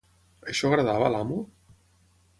Això agradava a l'amo?